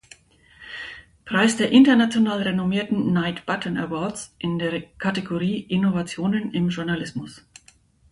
Preis der international renommierten "Knight Batten Awards" in der Kategorie "Innovationen im Journalismus".